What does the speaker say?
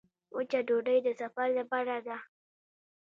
وچه ډوډۍ د سفر لپاره ده.